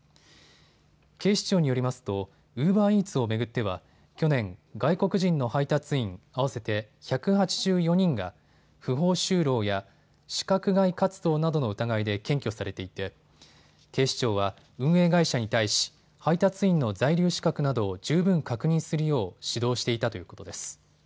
警視庁によりますとウーバーイーツを巡っては去年、外国人の配達員合わせて１８４人が不法就労や資格外活動などの疑いで検挙されていて警視庁は運営会社に対し配達員の在留資格などを十分確認するよう指導していたということです。